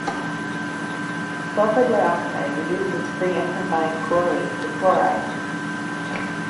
Sulfur dioxide reduces free and combined chlorine to chloride.